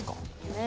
ねえ。